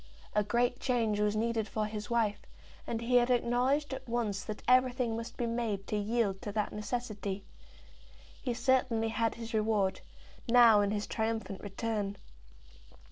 A great change was needed for his wife, and he had acknowledged at once that everything must be made to yield to that necessity. He certainly had his reward, now in his triumphant return.